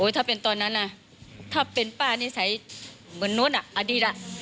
ถ้าเป็นตอนนั้นถ้าเป็นป้านิสัยเหมือนนู้นอดีต